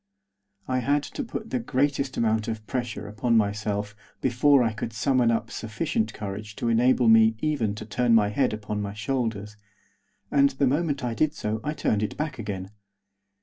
I had to put the greatest amount of pressure upon myself before I could summon up sufficient courage to enable me to even turn my head upon my shoulders, and the moment I did so I turned it back again.